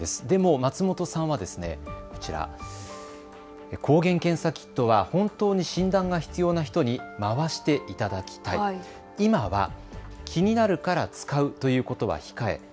でも松本さんは抗原検査キットは本当に診断が必要な人に回していただきたい、今は気になるから使うということは控え